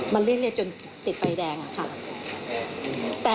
มาเรียนเรียนจนติดไฟแดงค่ะ